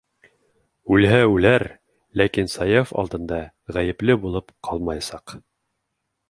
Үлһә үләр, ләкин Саяф алдында ғәйепле булып ҡалмаясаҡ.